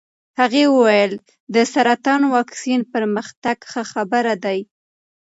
هغې وویل د سرطان واکسین پرمختګ ښه خبر دی.